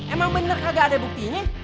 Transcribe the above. emang bener kagak ada buktinya